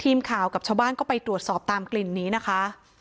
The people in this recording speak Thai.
กับชาวบ้านก็ไปตรวจสอบตามกลิ่นนี้นะคะ